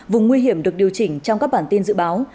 vùng nguy hiểm được điều chỉnh trong các bản tin dự báo